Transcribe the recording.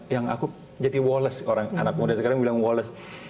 yang aku jadi wallace orang anak muda sekarang bilang walles